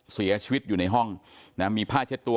เสียชีวิตอยู่ในห้องนะมีผ้าเช็ดตัว